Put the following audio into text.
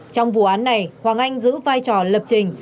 trong vụ án này hoàng anh giữ vai trò lập trình